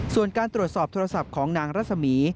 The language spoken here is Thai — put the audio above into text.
ส่วนการตรวจสอบโทรศัพท์ของนางรัศมี